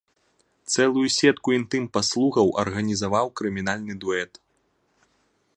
Цэлую сетку інтым-паслугаў арганізаваў крымінальны дуэт.